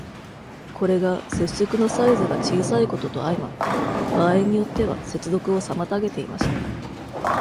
これが、接触のサイズが小さいことと相まって、場合によっては接続を妨げていました。